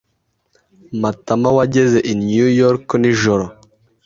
Matamawageze i New York nijoro.